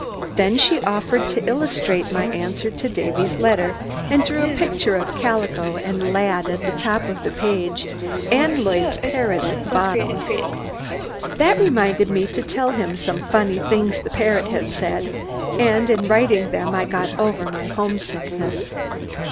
Then she offered to illustrate my answer to Davy's letter, and drew a picture of Calico and Lad at the top of the page, and Lloyd's parrot at the bottom. That reminded me to tell him some funny things the parrot had said, and in writing them I got over my homesickness.